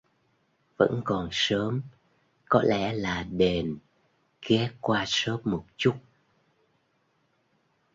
Vẫn còn sớm có lẽ là đền ghé qua shop một chút